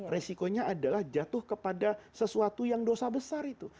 resikonya adalah jatuh kepada sesuatu yang dosa besar itu